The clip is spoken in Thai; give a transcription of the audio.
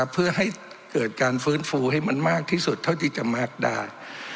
เพื่อให้เกิดการฟื้นฟูให้มันมากที่สุดเท่าที่จะมากได้